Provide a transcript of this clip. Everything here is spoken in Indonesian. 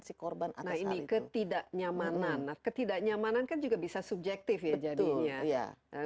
si korban atas hal itu nah ini ketidaknyamanan nah ketidaknyamanan kan juga bisa subjektif ya jadinya